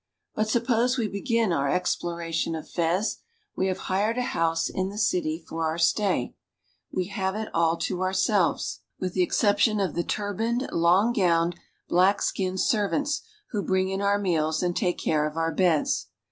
But suppose we begin our exploration of Fez. We have hired a house in the city for our stay. We have it all to 28 r ^^H ourselves with the exception of the turbaned, long gowned, ^^1 black skinned servants, who bring in our meals and take ^^^^ care of our beds.